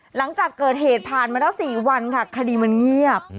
หลังจากเกิดเหตุผ่านมาแล้ว๔วันค่ะคดีมันเงียบ